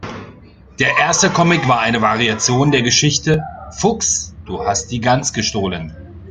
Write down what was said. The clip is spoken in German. Der erste Comic war eine Variation der Geschichte "Fuchs, du hast die Gans gestohlen".